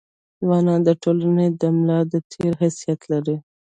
ځوانان د ټولني د ملا د تیر حيثيت لري.